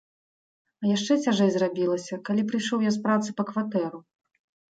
А яшчэ цяжэй зрабілася, калі прыйшоў я з працы па кватэру.